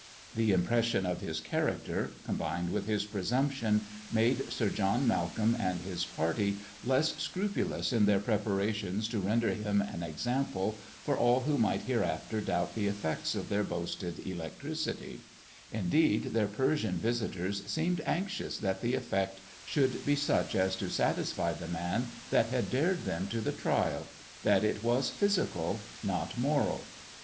This impression of his character, combined with his presumption, made Sir John Malcolm and his party less scrupulous in their preparations to render him an example for all who might hereafter doubt the effects of their boasted electricity; indeed, their Persian visitors seemed anxious that the effect should be such as to satisfy the man that had dared them to the trial that it was physical, not moral.